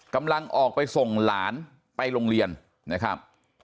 กำลังออกไปส่งหลานไปโรงเรียนนะครับ